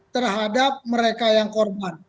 terhadap mereka yang korban